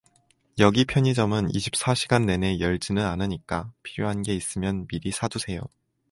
여기 편의점은 이십사시간 내내 열지는 않으니까, 필요한 게 있으면 미리 사두세요.